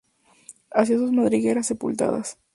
Hacía sus madrigueras sepultadas.